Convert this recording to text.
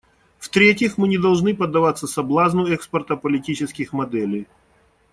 В-третьих, мы не должны поддаваться соблазну экспорта политических моделей.